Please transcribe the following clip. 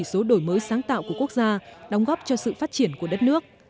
góp phần nâng cao chỉ số đổi mới sáng tạo của quốc gia đóng góp cho sự phát triển của đất nước